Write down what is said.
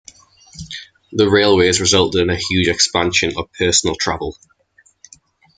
The railways resulted in a huge expansion of personal travel.